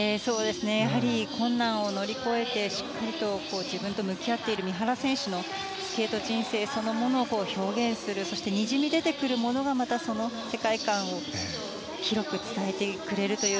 やはり困難を乗り越えてしっかり自分と向き合っている三原選手のスケート人生そのものを表現する、そしてにじみ出てくるものがまたその世界観を広く伝えてくれるという。